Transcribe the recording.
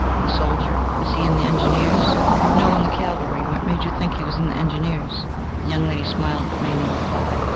"A soldier." "Is he in the Engineers?" "No, in the Cavalry. What made you think that he was in the Engineers?" The young lady smiled, but made no reply.